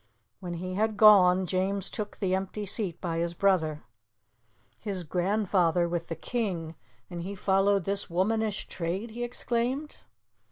When he had gone James took the empty seat by his brother. "His grandfather with the King, and he following this womanish trade!" he exclaimed.